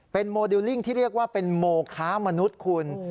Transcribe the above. เป็นโมเดลลิ่งที่เรียกว่าเป็นโมค้ามนุษย์คุณ